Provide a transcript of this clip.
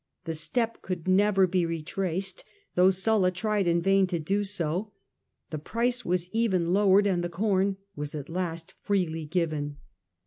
The step could never be retraced, though Sulla tried in vain to do so ; the price was even lowered, and the corn was at last freely given.